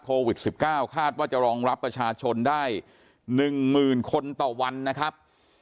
โควิด๑๙คาดว่าจะรองรับประชาชนได้๑๐๐๐คนต่อวันนะครับ